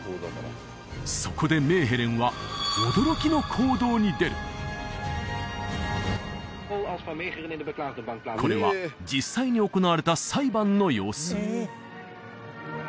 そこでメーヘレンは驚きの行動に出るこれは実際に行われた裁判の様子